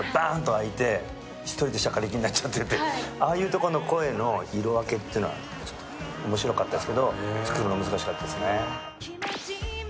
開いて１人でしゃかりきになっちゃってるああいうところの色分けというのは面白かったですけど、作るのは難しかったです。